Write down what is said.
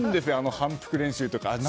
反復練習とか。